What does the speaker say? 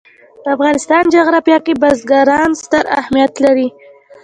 د افغانستان جغرافیه کې بزګان ستر اهمیت لري.